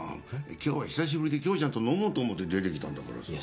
今日は久しぶりで恭ちゃんと飲もうと思って出てきたんだからさ。